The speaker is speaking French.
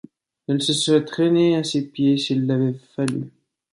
Elle se serait traînée à ses pieds s’il l’avait fallu.